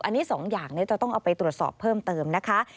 อันนี้สองอย่างนี้จะต้องเอาไปตรวจสอบเพิ่มเติมนะคะ